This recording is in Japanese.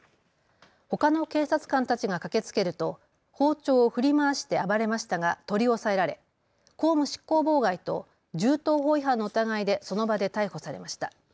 ほかの警察官たちが駆けつけると包丁を振り回して暴れましたが取り押さえられ公務執行妨害と銃刀法違反の疑いでその場で逮捕されました。